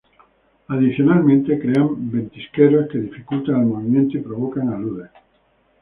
Adicionalmente crean ventisqueros que dificultan el movimiento y provocan aludes.